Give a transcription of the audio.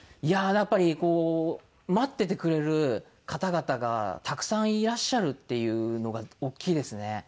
いややっぱりこう待っててくれる方々がたくさんいらっしゃるっていうのが大きいですね。